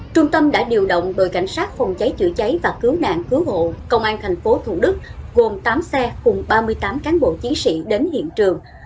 trung tâm đã điều động đội cảnh sát phòng cháy chữa cháy và cứu nạn cứu hộ công an tp thủ đức gồm tám xe cùng ba mươi tám cán bộ chiến sĩ đến hiện trường